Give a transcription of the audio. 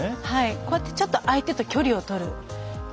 こうやってちょっと相手と距離を取る。